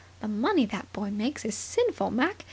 The money that boy makes is sinful, Mac.